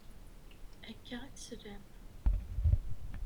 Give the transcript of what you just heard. Akka i teslam.